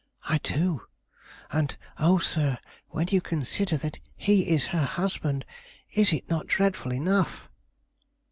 I do: and oh, sir, when you consider that he is her husband, is it not dreadful enough?"